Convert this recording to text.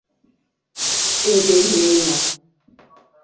É rzènjé ŋmémà.